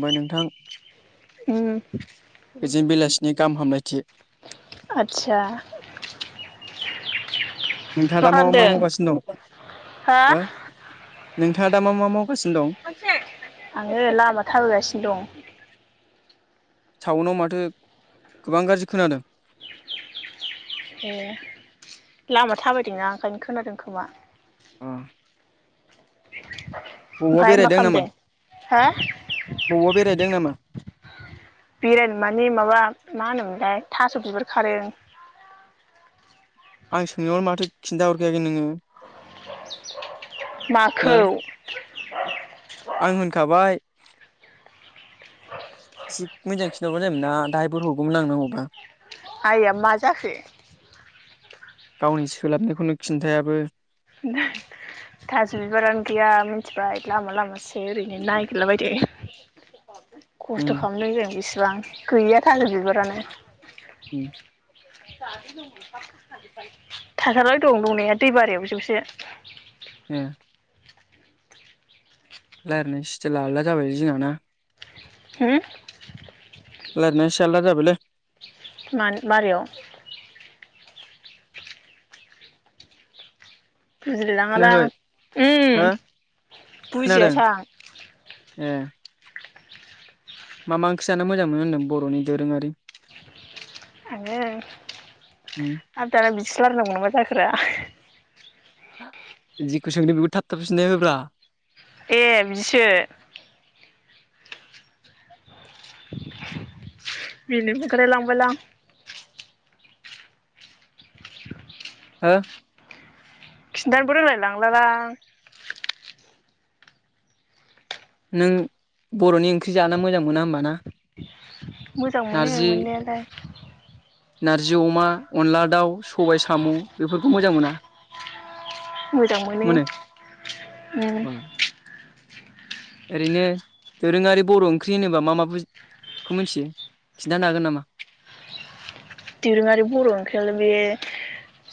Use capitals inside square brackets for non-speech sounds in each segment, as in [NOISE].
ओमफ्राय नोंथां उम गोजोन बेलासिनि गाहाम हामलायथि आतचा नोंथाङा दा मा मा मावगासिनो दं हा नोंथाङा दा मा मा मावग आङो लामा थाबोगासिनो दं साउन्डाव माथो गोबां गाज्रि खोनादों ए लामा थाबायदोंना ओंखायनो खोनादों खोमा अ' बबावबा ओमफ्राय मा बेरायदों नामा? खालामदों हा बबावबा बेरायदों नामा? बेरायनो माने माबा मा होनोमोनलाय थास' बिबार खादों। आं सोंनायाव माथो खिन्थाहरखायाखै नोङो हो माखौ आं होनखाबाय एसे मोजां खिनथाहरबानो जायोमोन ना दाहायफोर हरगौमोन आं नांगौबा आइया मा जाखो गावनि सोलाबनायखौनो खिन्थायाबो [UNINTELLIGIBLE] थास' बिबारानो गैया मिथिबाय लामा लामासो ओरैनो नागिरला बायदों। उम खस्थ' खालामदों जों बिसिबां गैया थालिर बिबारानो उम थाथारबाय दं दंनाया दै बारियाव जौसे उम रायज्लायनाय सटेला आलदा जाबायलै जोंना ना? हो रायलायनाया एसे आलदा जाबायलै मानोबा आरो बुजिलायलाङालां खोनायाखै हो उम खोनादों बुजियासां ए मा मा ओंख्रि जानो मोजां मोनो होनदों बर'नि दोरोङारि आङो उम आदाना बिदिस बारनो मा मा जाखो रा जेखौ सोंदों बेखौ थाब थाब फिननाय होब्रा ए बिदिसो मिनिनोबो ओंखारलाय लांबायलां। हा? खिनथानोबो रोंलाय लांलालां नों बर'नि ओंख्रि जानो मोजां मोना होमबा ना मोजां मोनो नारजि मोननायालाय नारजि अमा अनला दाउ सबाय साम' बेफोरखौ मोजां मोना? मोजां मोनो उम ओरैनो दोरोङारि बर' ओंख्रि होनोबा मा मा बुजियो? खौ मिथियो खिनथानो हागोन नामा? दोरोङारि बर' ओंख्रियाल बे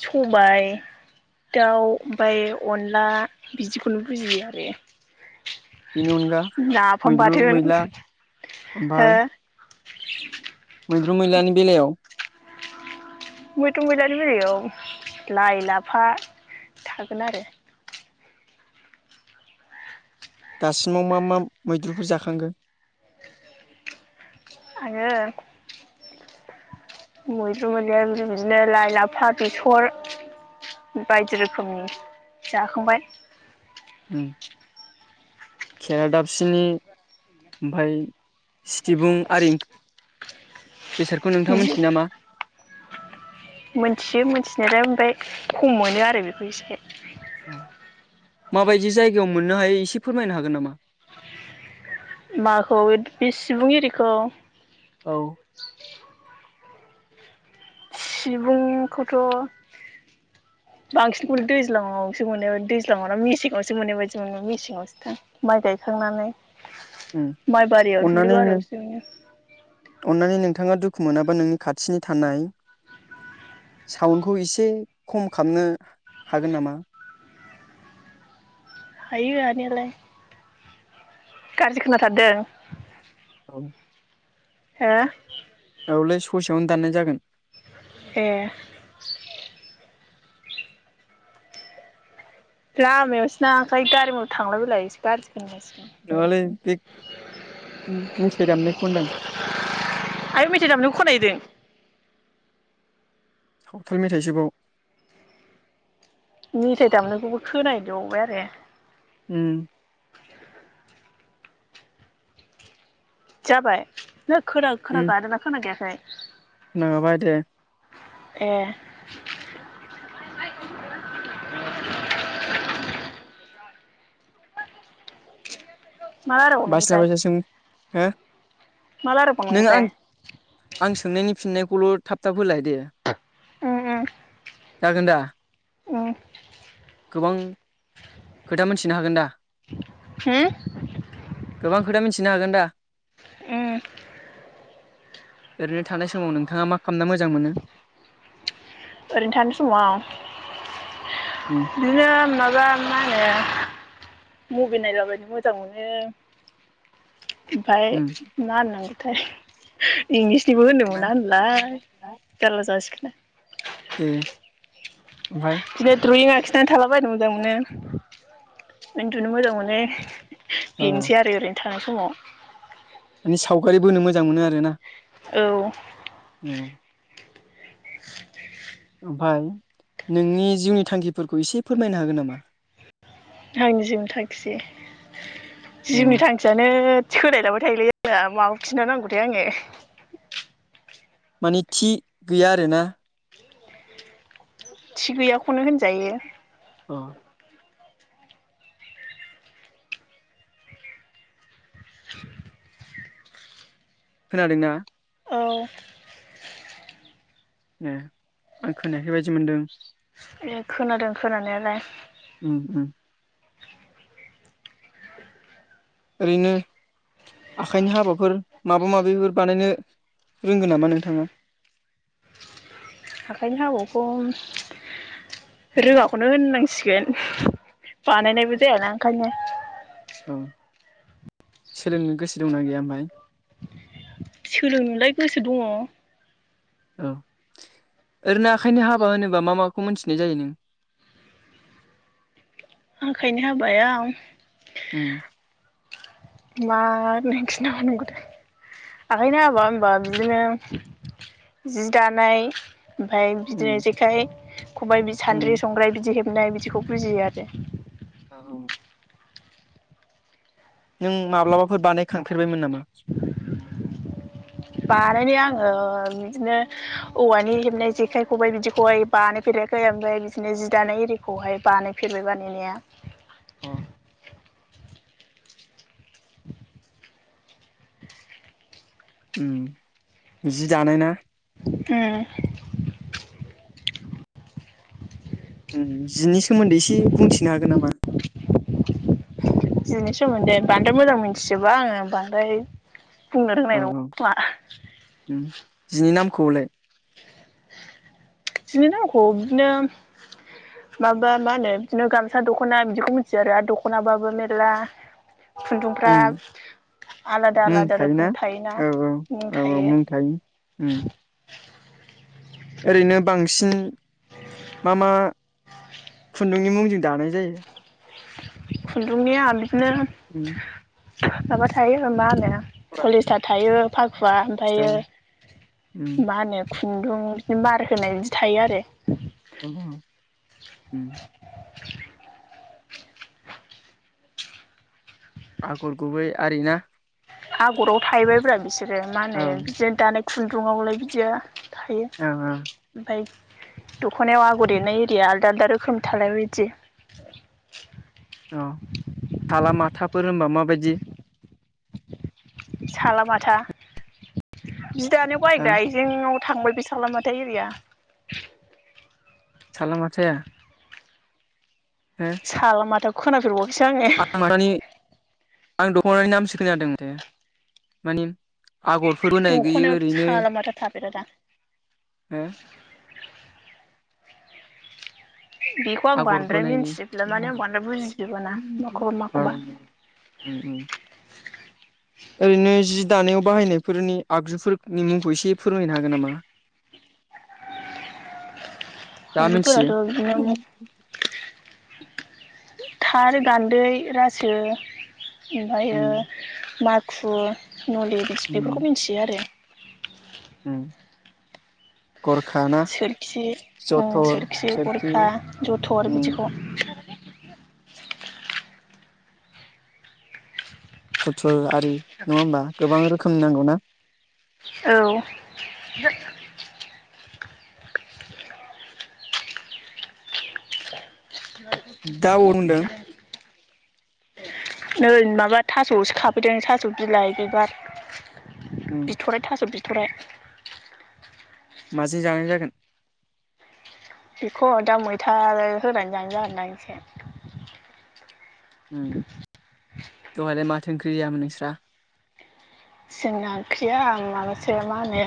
सबाय दाउ ओमफाय अनला बिदिखौनो बुजियो आरो बेनि अनगा नाफाम मैद्रु बाथोन मैला हो? ओमफाय मैद्रु मैलानि बेलायाव मैद्रु मैलानि बेलायाव लाइ लाफा थागोन आरो दासिमाव मा मा मैद्रुफोर जाखांखो? आङो मैद्रु मैलायाबो बिदिनो लाइ लाफा बेसर बायदि रोखोमनि जाखांबाय उम खेरा दाफसिनि ओमफाय सिबुं आरि बेसोरखौ नोंथाङा बिदि मिथियो नामा? मोनथियो मोनथिनायालाय ओमफाय खम मोनो आरो बेखौ एसे। माबायदि जायगायाव मोननो हायो एसे फोरमायनो हागोन नामा? माखौ बे सिबुं एरिखौ? औ। सिबुंखौथ' [INAUDIBLE] बांसिनखौनो दैज्लाङावसो मोनो दैज्लाङाव ना मेसेङावसो मोननाय बायदि मोनो मेसेङावसो दां माइ गाय थांनानै उम माइबारियाव दुब्लि अन्नानै नों बारियावसो नुयो अन्नानै नोंथाङा दुखु मोनाबा नोंनि खाथिनि थानाय साउन्डखौ इसे खम खामनो हागोन नामा? [INAUDIBLE] हायो हानायालाय गाज्रि खोनाथारदों औ। हो औ लै ससेयावनो दाननाय जागोन ए लामायावसो ना ओंखाय गारि मटर थांलाय फैलाय खोनागासिनो नङालै बे मेथाय दामनायखौ होनदां आयौ मेथाइ दामनायखौ खोनाहैदों? सावथाल मेथायसोबाव मेथाइ दामनायखौबो खोनाहैलाय बावबाय आरो उम जाबाय नों खोना खोनागादोंना खोनागायाखै? खोनागाबाय दे ए [INAUDIBLE] मा बायसिना रायलायबावनांगौथाय बायसासिम हो मा नों रायलायबावनांगौथाय आं आं सोंनायनि फिननायखौल' थाब थाब होलाय दे उम उम जागोन दा उम गोबां खोथा मोनथिनो हागोन दा होम गोबां खोथा मिथिनो हागोन दा उम ओरैनो थानाय समाव नोंथाङा मा खामना मोजां मोनो? ओरैनो थानाय समाव उम बिदिनो माबा मा होनो मुभि नायलाबायनो मोजां मोनो ओमफाय उम मा होननांगौथाय इंलिस निबो होननो मोना होनलाय जारला जासिगोना दे ओमफाय बिदिनो द्रयिं आखिनानै थालाबायनो मोजां मोनो, उन्दुनो मोजां मोनो औ बेनोसै आरो ओरैनो थानाय समाव माने सावगारि बोनो मोजां मोनो आरो ना औ [INAUDIBLE] ओमफाय नोंनि जिउनि थांखिफोरखौ एसे फोरमायनो हागोन नामा आंनि जिउनि थांखि औ जिउनि थांखियानो सोलायलाबाय थायोलै आंनिया माखौ खोन्था नांगौथाय आङो माने थि गैया आरोना थि गैयाखौनो होनजायो [INAUDIBLE] [INAUDIBLE] खोनादोंना औ ए आं खोनायाखै बायदि मोनदों ए खोनादों खोनानायालाय उम उम ओरैनो आखाइनि हाबाफोर माबा माबिफोर बानायनो रोंगो नामा नोंथाङा? [INAUDIBLE] आखाइनि आबौखौ रोङाखौनो होननांसिगोन बानायनायबो जायाना ओंखायनो औ सोलोंनो गोसो दंना गैया ओमफाय? सोलोंनोलाय गोसो दङ औ ओरैनो आखायनो हाबा होनोबा मा माखौ मोनथिनाय जायो नों [INAUDIBLE] आखायनि हाबायाव होम मा होननानै खिन्था बावनांगौथाय आखायनि हाबा होनबा बिदिनो जि दानाय ओमफाय उम बिदिनो जेखाइ खबाइ बि सान्द्रि उम संग्राय बिदि हेब नाय बिदिखौ बुजियो आरो औ नों माब्लाबाफोर बानायखांफेरबायमोन नामा? बानायनाय आङो बिदिनो औवानि हेबनाय जेखाइ खबाइ बिदिखौहाय बानायफे राखै ओमफ्राय बिदिनो जि दानाय एरिखौहाय बानायफेरबाय बानायनाया अ उम जि दानाय ना उम उम जिनि सोमोन्दै एसे बुंथिनो हागोन नामा? जिनि सोमोन्दै बांद्राय मोजां मोनथिजोबा आङो बांद्राय बुंनो औ रोंनाय नङा औ खोमा। उम जिनि नामखौलाय? जिनि नामखौ बिदिनो माबा मा होनो बिदिनो गामसा दख'ना बिदिखौ मिथियो आरो दखनाबाबो मेर्ला खुन्दुंफ्रा उम आलादा मुं आलादा रोखोम थायोना औ औ औ औ मुं थायो उम। ओरैनो बांसिन मा मा खुन्दुंनि मुंजों दानाय जायो? खुन्दुंनिया बिदिनो उम माबा थायो मा होनो औ पलिसतार थायो फाखुवा ओमफायो उम मा होनो खुन्दुं बिदिनो मार होनाय बिदि थायो आरो। उम उम। आगर गुबै आरि ना? आगराव थाहैबायब्रा बिसोरो मा औ होनो बिदिनो दानाय खुन्दुंआवलाय बिदिया थायो औ ओमफाय दख'नायाव आगर एरनाय एरिया आलदा आलदा रोखोम थालायबाय इदि। औ थाला माथाफोर होनबा माबायदि? साला माथा जि दानो ओ बायग्रा आइजेंआव थांबाय बि साला माथा इरिया। साला माथाया? हो साला माथाखौ खोनाफेरबावा आं माबानि आं दख'नाानि नामसो खोनासो खोनादों माथो माने आगरफोर बोनाय गैयि दख'नायावथ' ओरैनो सालामाथा थाफेरा दा हो? बेखौ आं बांद्राय आगर मिथिजोबला माने आं बांद्राय बोनायनि बुजिजोबाना माखौबा औ माखौबा उम उम। ओरैनो जि दानायाव बाहायनायफोरनि आगजुफोरनि मुंखौ एसे फोरमायनो हागोन नामा? दा आगजुफोराथ' मोनथियो? बिदिनो थात, गान्दै, रासो, ओमफायो उम माखु नले बेफोरखौ उम मिथियो आरो। उम। गरखा ना सोरखि ओं जथर सोरखि गरखा जथर उम बिदिखौ फुथुल आरि नङा होमबा गोबां रोखोमनि नांगौ ना? औ [UNINTELLIGIBLE] दा अ होनदों नै माबा थास'सो खाफैदों थास' बिलाइ बिबार उम बिथ'राय थास' बि थ'राय। माजों जानाय जागोन? बेखौ दा मैथा होनानै जानाय जागोनदां एसे। उम दहायलाय माथो ओंख्रि जायामोन नोंस्रा? जोंना ओंख्रिया माबासो मा होनो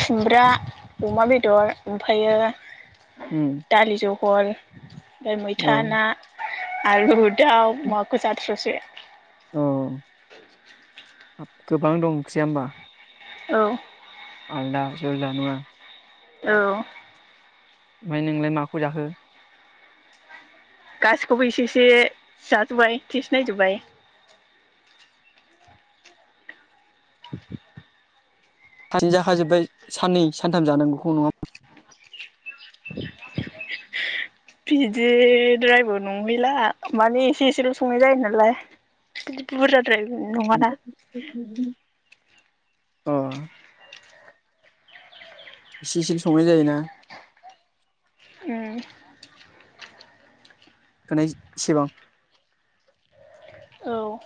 खुमब्रा अमा बेदर ओमफायो उम दालि जहल ओमफ्राय औ मैथा ना आलु दाउ माखो जाथ्र'सो। [INAUDIBLE] हाब गोबां दं ओंख्रिया होमबा? औ। आलदा जुलदा नङा। औ। ओमफ्राय नोंलाय माखौ जाहो। गासिखौबो एसे इसे जाजोब्बाय थेसनायजोबबाय। [INAUDIBLE] सानसेनो जाखाजोब्बाय साननै सानथाम जानांगौखौ नङाहोमबा। [INAUDIBLE] बिदिद्रायबो नंहैला माने एसे एसेल' संनाय जायो नालाय। बि बुरजाद्राय नङाना। नङा [UNINTELLIGIBLE] अ। इसे इसेल' संनाय जायोना। उम। होनायसेबां। औ।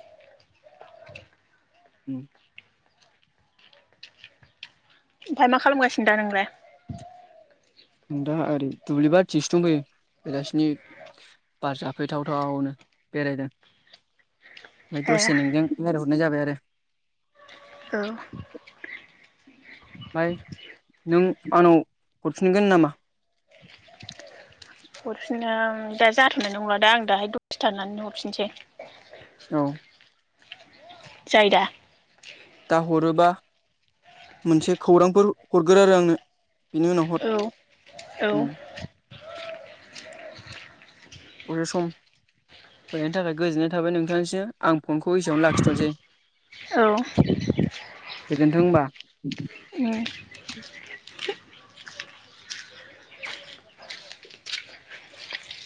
उम। ओमफ्राय मा खालामगासिनो दा नोंलाय। ओं दा ओरै दुब्लिबारथिसो दंफैयो। बेलासिनि बार जाफैथावथावनो बेरायदों। ओमफ्राय ए दसे नोंजों लायरायहरनाय जाबाय आरो। औ। ओमाय नों आंनाव हरफिनगोन नामा। हरफिननो दा जाथारनाय नंला दा आं दाहाय दसथानानै हरफिनसै। औ जायोदा। दा हरोबा मोनसे खौरांफोर हरगोर आरो आंनो। बिनि उनावहर। औ औ दसे सम। बिनि थाखाय गोजोननाय थाबाय नोंथांनिसिम आं फनखौ एसेआवनो लाखिथ'नोसै। औ। गोजोन्थों होनबा। उम